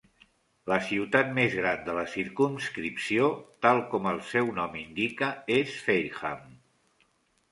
La ciutat més gran de la circumscripció, tal com el seu nom indica, és Fareham.